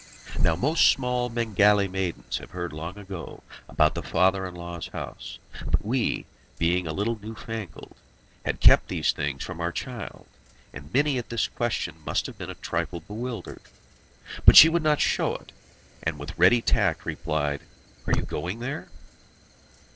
Now most small Bengali maidens have heard long ago about the father in law's house; but we, being a little new fangled, had kept these things from our child, and Mini at this question must have been a trifle bewildered. But she would not show it, and with ready tact replied: "Are you going there?"